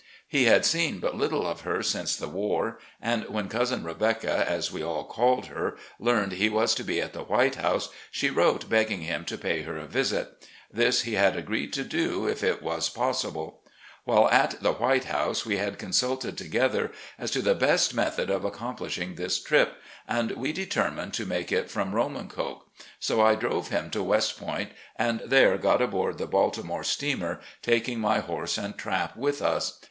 He had seen but little of her since the war, and when "Cousin Rebecca," as we all called her, learned he was to be at the "White House," she wrote begging him to pay her a visit. This he had agreed to do if it was possible. While at the " White House," we had consulted blether 4o8 recollections OP GENERAL LEE as to the best method of accomplishing this trip, and we determined to make it from "Romancoke." So I drove him to West Point, and there got aboard the Baltimoie steamer, taking my horse and trap with iis.